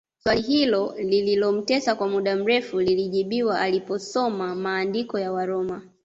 Swali hilo lililomtesa kwa muda mrefu lilijibiwa aliposoma maandiko ya Waroma